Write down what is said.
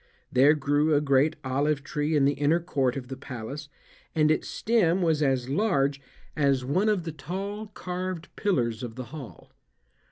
There grew a great olive tree in the inner court of the palace, and its stem was as large as one of the tall carved pillars of the hall.